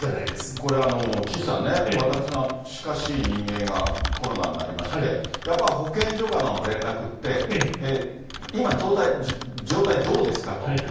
これ、岸さんね、私の近しい人間がコロナになりまして、やっぱり保健所からの連絡って、今の状態どうですかと。